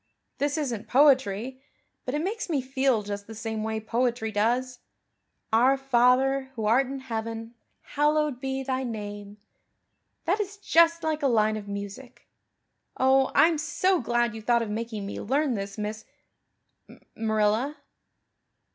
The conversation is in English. This isn't poetry, but it makes me feel just the same way poetry does. 'Our Father who art in heaven hallowed be Thy name.' That is just like a line of music. Oh, I'm so glad you thought of making me learn this, Miss Marilla."